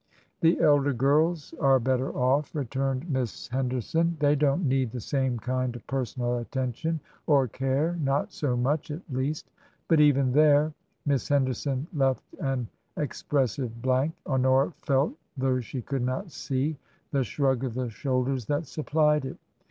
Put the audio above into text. " The elder girls are better off," returned Miss Hen j^ TRANSITION. derson. " They don't need the same kind of personal attention or care — not so much at least. But even there " [Miss Henderson left an expressive blank ; Honora felt, though she could not see, the shrug of the shoulders that supplied it.